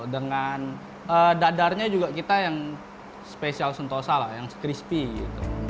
dengan dadarnya juga kita yang spesial sentosa lah yang crispy gitu